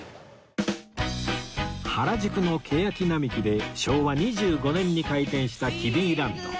原宿のケヤキ並木で昭和２５年に開店したキデイランド